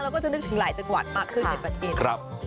แล้วก็จะนึกถึงหลายจังหวัดมากขึ้นในปัจเกณฑ์